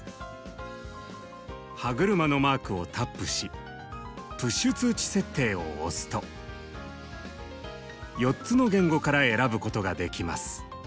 歯車のマークをタップし「プッシュ通知設定」を押すと４つの言語から選ぶことができます。